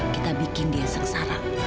kita bikin dia sengsara